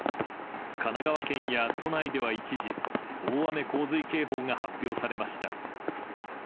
神奈川県や都内では一時大雨・洪水警報が発表されました。